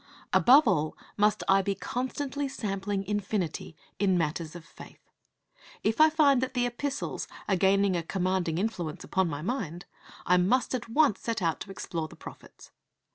Above all must I be constantly sampling infinity in matters of faith. If I find that the Epistles are gaining a commanding influence upon my mind, I must at once set out to explore the prophets.